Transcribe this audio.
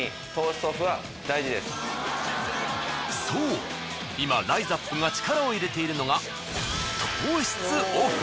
そう今ＲＩＺＡＰが力を入れているのが。